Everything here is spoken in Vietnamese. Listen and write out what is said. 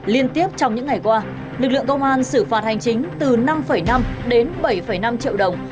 liên tiếp trong những ngày qua lực lượng công an xử phạt hành chính từ năm năm đến bảy năm triệu đồng